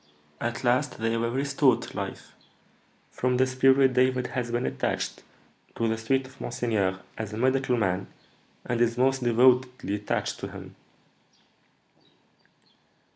At last they were restored to life. From this period David has been attached to the suite of monseigneur as a medical man, and is most devotedly attached to him."